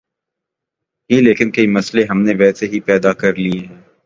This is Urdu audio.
ہی لیکن کئی مسئلے ہم نے ویسے ہی پیدا کر لئے ہیں۔